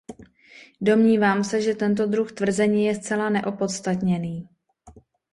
Domnívám se, že tento druh tvrzení je zcela neopodstatněný.